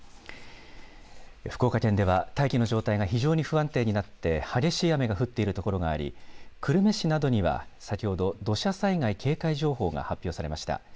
福岡県では大気の状態が非常に不安定になって激しい雨が降っているところがあり久留米市などには先ほど土砂災害警戒情報が発表されました。